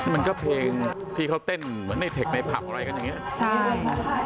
มันก็เพลงที่เขาเต้นเหมือนในเทคในผับอะไรกันอย่างนี้ใช่